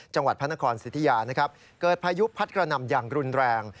จังหวัดพระนครสิทธิยานะครับเกิดพายุพัดกระหน่ำอย่างรุนแรง